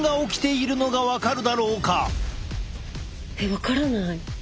分からない。